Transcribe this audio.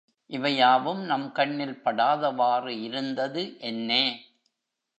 இவை யாவும் நம் கண்ணில் படாதவாறு இருந்தது என்னே!